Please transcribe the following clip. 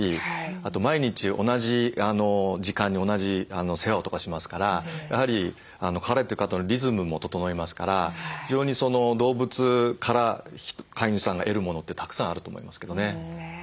あと毎日同じ時間に同じ世話とかしますからやはり飼われてる方のリズムも整いますから非常に動物から飼い主さんが得るものってたくさんあると思いますけどね。